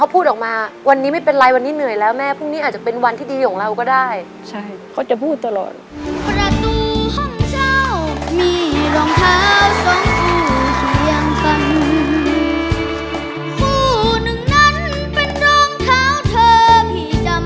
ผู้หนึ่งนั้นเป็นรองเท้าเธอพี่จำได้ดี